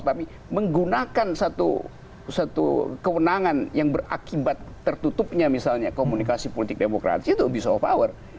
tapi menggunakan satu kewenangan yang berakibat tertutupnya misalnya komunikasi politik demokrasi itu abuse of power